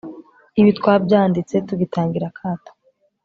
Ibi twabyanditse tugitangira akato